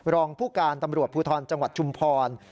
รองผู้การตำรวจภูทรจังหวัดชุมพร